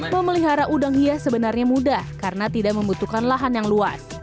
memelihara udang hias sebenarnya mudah karena tidak membutuhkan lahan yang luas